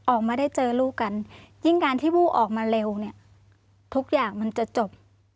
ออกมาได้เจอลูกกันยิ่งการที่วู้ออกมาเร็วเนี่ยทุกอย่างมันจะจบ